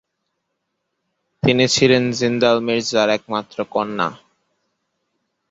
তিনি ছিলেন জিন্দাল মির্জার একমাত্র কন্যা।